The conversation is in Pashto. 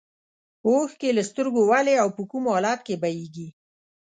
اوښکې له سترګو ولې او په کوم حالت کې بهیږي.